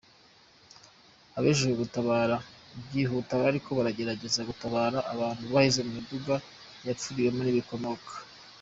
Abajejwe gutabara vyihuta bariko baragerageza gutabara abantu baheze mu miduga yapfukiriwe n'ibihomoka.